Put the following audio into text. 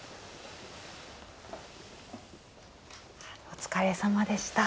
お疲れさまでした。